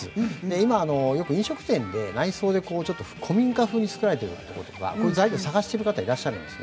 今、飲食店で内装で、古民家風に作られているところ材料を探している方がいます。